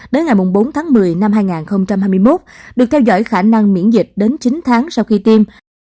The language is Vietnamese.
đến ngày bốn tháng một mươi năm hai nghìn hai mươi một được theo dõi khả năng miễn dịch đến chín tháng sau khi tiêm